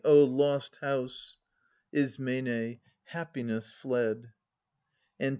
O lost house !— I. Happiness fled ! Ant.